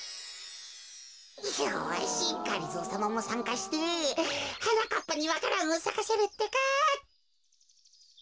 よしがりぞーさまもさんかしてはなかっぱにわか蘭をさかせるってか。